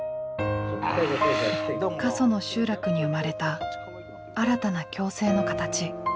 過疎の集落に生まれた新たな共生の形。